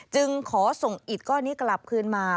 จึงขอส่งอิดก้อนนี้กลับคืนมา